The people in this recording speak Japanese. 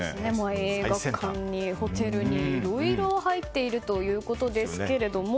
映画館にホテルにいろいろ入っているということですけれども。